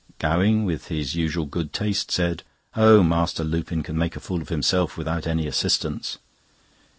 Gowing, with his usual good taste, said: "Oh, Master Lupin can make a fool of himself without any assistance."